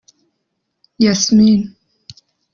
Yasmin